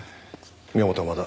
宮本はまだ？